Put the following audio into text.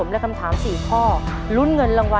เราทำจานเด้อสองร่วม